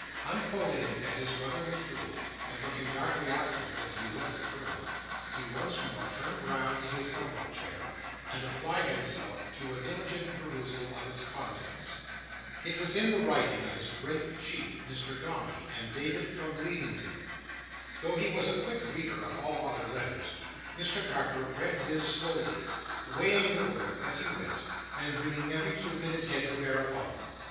Unfolding it as his brother withdrew, and looking darkly after him as he left the room, he once more turned round in his elbow chair, and applied himself to a diligent perusal of its contents. It was in the writing of his great chief, Mr Dombey, and dated from Leamington. Though he was a quick reader of all other letters, Mr Carker read this slowly; weighing the words as he went, and bringing every tooth in his head to bear upon them.